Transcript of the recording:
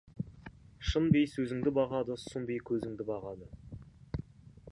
Шын би сөзіңді бағады, сұм би көзіңді бағады.